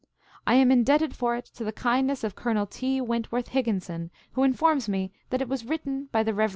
I am indebted for it to the kind ness of Colonel T. Wentworth Higginson, who in forms me that it was written by the Rev. J.